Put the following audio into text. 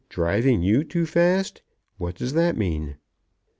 Driving you too fast. What does that mean?"